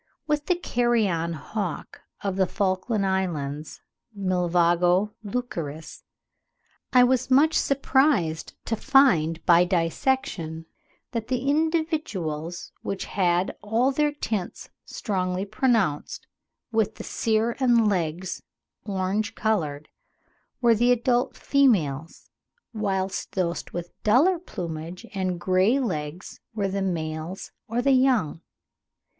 With the carrion hawk of the Falkland Islands (Milvago leucurus) I was much surprised to find by dissection that the individuals, which had all their tints strongly pronounced, with the cere and legs orange coloured, were the adult females; whilst those with duller plumage and grey legs were the males or the young.